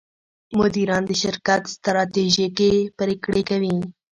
مدیران د شرکت ستراتیژیکې پرېکړې کوي.